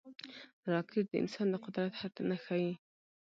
راکټ د انسان د قدرت حد نه ښيي